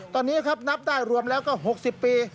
ตอนนี้นะครับนับได้รวมแล้วก็๖๐ปี